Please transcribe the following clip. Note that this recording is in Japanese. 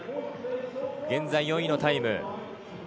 現在４位のタイム。